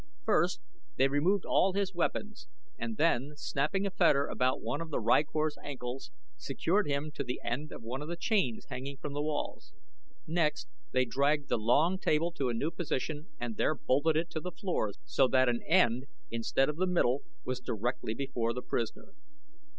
First they removed all his weapons and then, snapping a fetter about one of the rykor's ankles, secured him to the end of one of the chains hanging from the walls. Next they dragged the long table to a new position and there bolted it to the floor so that an end, instead of the middle, was directly before the prisoner.